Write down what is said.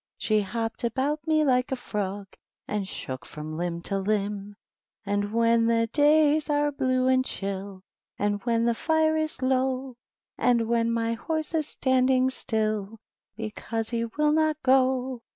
She hopped about me like a frog. And shook from limb to limb. And when the days are blue and chill, And when the fire is low, And when my horse is standing still Because he mil not go; lie THE WHITE KNIGHT.